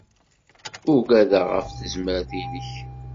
Ugadeɣ ɣef tezmert-nnek.